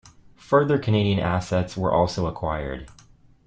Further Canadian assets were also acquired.